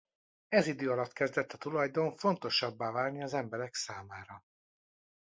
Ez idő alatt kezdett a tulajdon fontosabbá válni az emberek számára.